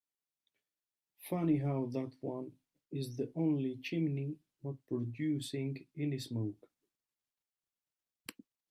Funny how that one is the only chimney not producing any smoke.